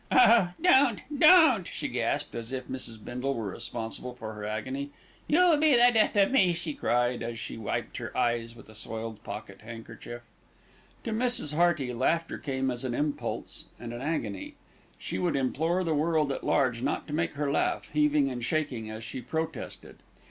"Oh don't, don't," she gasped, as if Mrs. Bindle were responsible for her agony. "You'll be the death of me," she cried, as she wiped her eyes with a soiled pocket handkerchief. To Mrs. Hearty, laughter came as an impulse and an agony. She would implore the world at large not to make her laugh, heaving and shaking as she protested.